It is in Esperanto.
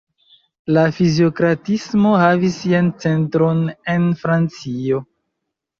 La fiziokratismo havis sian centron en Francio.